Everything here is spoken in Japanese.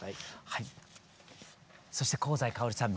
そして香西かおりさん